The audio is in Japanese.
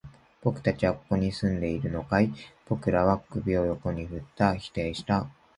君たちはここら辺に住んでいるのかい？僕らは首を横に振った。否定した。